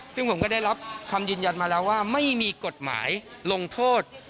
ซึ่งผมก็ได้รับคำยืนยันมาแล้วว่าไม่มีกฎหมายลงโทษ